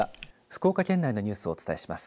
福岡県内のニュースをお伝えします。